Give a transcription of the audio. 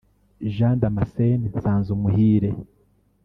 Jean Damascène Nsanzumuhire